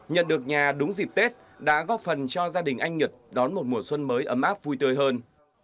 nhận được nhà đúng dịp tết đã góp phần cho gia đình anh nhật đón một mùa xuân mới ấm áp vui tươi hơn